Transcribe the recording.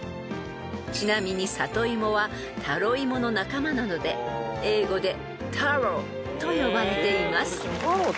［ちなみにサトイモはタロイモの仲間なので英語でｔａｒｏと呼ばれています］